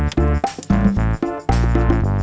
terima kasih kalian all lah